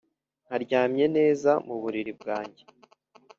nkaryamye neza mu buriri bwanjye.